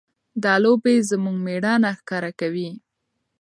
دا لوبې زموږ مېړانه ښکاره کوي.